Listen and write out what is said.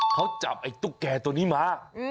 เขาจับไอ้ตุ๊กแก่ตัวนี้มา